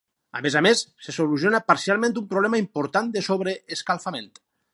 A més a més, se soluciona parcialment un problema important de sobreescalfament.